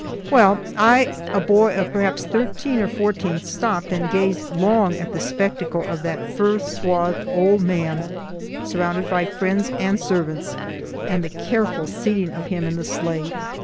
Well, I, a boy of perhaps 13 or 14, stopp'd and gazed long at the spectacle of that fur swathed old man, surrounded by friends and servants, and the careful seating of him in the sleigh.